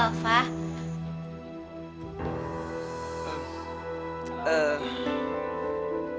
nanti aku nungguin